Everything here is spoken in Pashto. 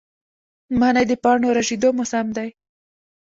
منی د پاڼو ریژیدو موسم دی